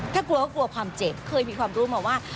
ถ้ากลัวก็กลัวความเจ็บเคยมีความรู้มาว่า